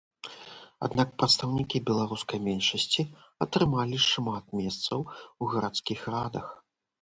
Аднак прадстаўнікі беларускай меншасці атрымалі шмат месцаў у гарадскіх радах.